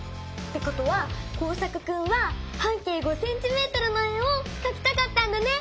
ことはコウサクくんは半径５ｃｍの円をかきたかったんだね！